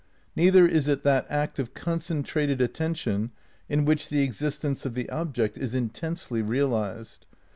Neither is it that act of concentrated attention in which the exist ence of the object is intensely realised.